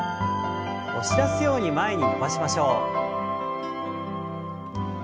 押し出すように前に伸ばしましょう。